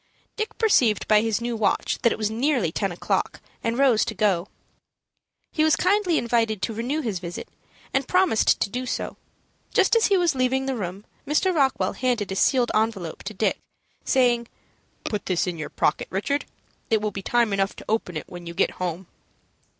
Dick perceived by his new watch that it was nearly ten o'clock, and rose to go. He was kindly invited to renew his visit, and promised to do so. Just as he was leaving the room, Mr. Rockwell handed a sealed envelope to Dick, saying, "Put this in your pocket, Richard. It will be time enough to open it when you get home."